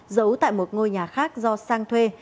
giấu tại một ngôi nhà khác do sang thuê